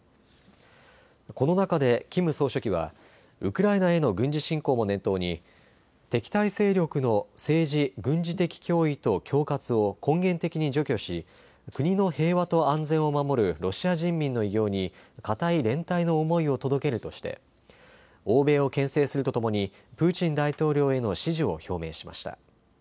この中でキム総書記はウクライナへの軍事侵攻も念頭に敵対勢力の政治・軍事的脅威と恐喝を根源的に除去し国の平和と安全を守るロシア人民の偉業に固い連帯の思いを届けるとして欧米をけん制するとともにプーチン大統領への支持を表明しました。